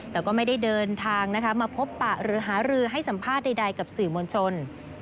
แต่ก็ไม่ได้เดินทางนะคะมาพบปะหรือหารือให้สัมภาษณ์ใดกับสื่อมวลชน